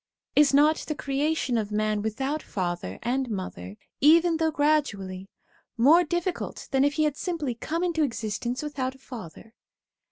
Is not the creation of man without father and mother, even though gradually, more difficult than if he had simply come into existence without a father